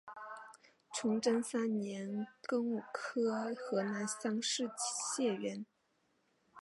崇祯三年庚午科河南乡试解元。